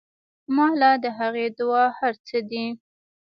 ما له د هغې دعا هر سه دي.